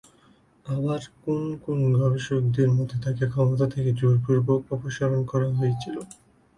আবার কোন কোন গবেষকদের মতে তাকে ক্ষমতা থেকে জোরপূর্বক অপসারণ করা হয়েছিল।